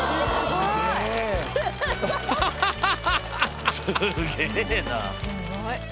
すごい。